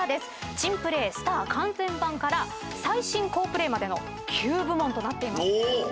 珍プレースター完全版から最新好プレーまでの９部門となっていますね。